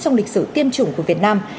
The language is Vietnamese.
trong lịch sử tiêm chủng của việt nam